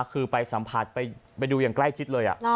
คือไปสัมผัสไปดูอย่างใกล้ชิดเลย